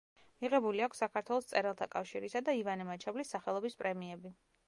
მიღებული აქვს საქართველოს მწერალთა კავშირისა და ივანე მაჩაბლის სახელობის პრემიები.